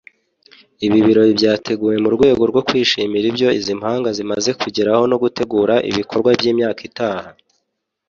Ibi birori byateguwe mu rwego rwo kwishimira ibyo izi mpanga zimaze kugeraho no gutegura ibikorwa by’imyaka itaha